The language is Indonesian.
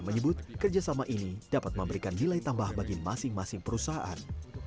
menyebut kerjasama ini dapat memberikan nilai tambah bagi masing masing perusahaan